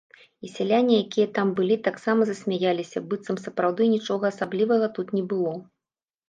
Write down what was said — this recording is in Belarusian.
І сяляне, якія там былі, таксама засмяяліся, быццам сапраўды нічога асаблівага тут не было.